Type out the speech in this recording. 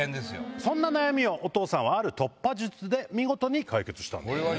そんな悩みを、お父さんは、ある突破術で見事に解決したんです。